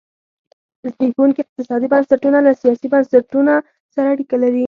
زبېښونکي اقتصادي بنسټونه له سیاسي بنسټونه سره اړیکه لري.